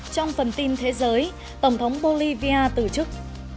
trong phần tin thế giới tổng thống bolivia tử trức